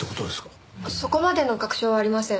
そこまでの確証はありません。